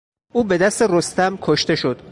او به دست رستم کشته شد.